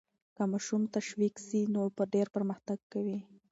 که ماشوم تشویق سي نو ډېر پرمختګ کوي.